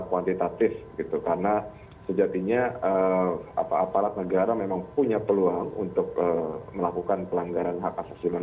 kuantitatif itu karena sejatinya apa aparat negara memang punya peluang untuk melakukan pelanggaran hak